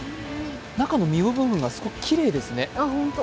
中の身の部分がすごくきれいですね。